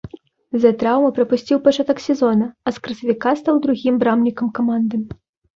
З-за траўмы прапусціў пачатак сезона, а з красавіка стаў другім брамнікам каманды.